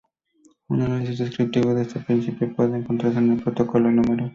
Un análisis descriptivo de este principio puede encontrarse en el "Protocolo No.